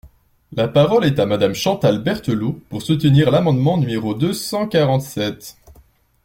La parole est à Madame Chantal Berthelot, pour soutenir l’amendement numéro deux cent quarante-sept.